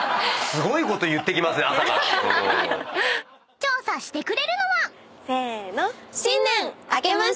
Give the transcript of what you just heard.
［調査してくれるのは］せーの。